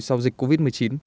câu dịch covid một mươi chín